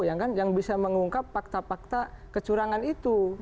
yang kan yang bisa mengungkap fakta fakta kecurangan itu